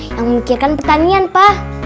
yang memikirkan pertanian pak